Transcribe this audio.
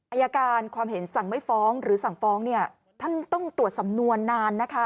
อายการความเห็นสั่งไม่ฟ้องหรือสั่งฟ้องเนี่ยท่านต้องตรวจสำนวนนานนะคะ